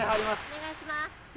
お願いします。